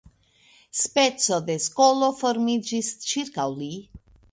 Speco de skolo formiĝis ĉirkaŭ li.